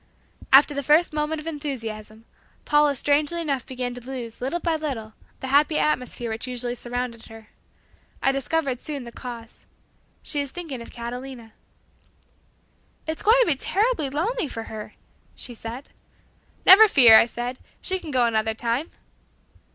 After the first moment of enthusiasm, Paula strangely enough began to lose little by little the happy atmosphere which usually surrounded her. I discovered soon the cause. She was thinking of Catalina. "It's going to be terribly lonely for her," she said. "Never fear," I said, "she can go another time."